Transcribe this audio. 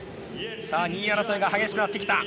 ２位争いが激しくなってきた。